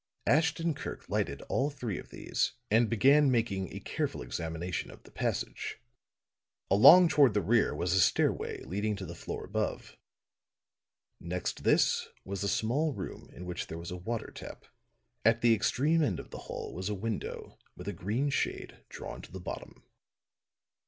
Ashton Kirk lighted all three of these and began making a careful examination of the passage. Along toward the rear was a stairway leading to the floor above. Next this was a small room in which there was a water tap. At the extreme end of the hall was a window with a green shade drawn to the bottom.